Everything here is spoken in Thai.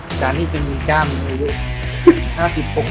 อาจารย์นี้จะมีจ้าม๕๐๖๐บาท